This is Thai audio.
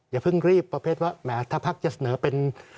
อย่าเพิ่งรีบประเภทว่าแหมถ้าพักจะเสนอเป็น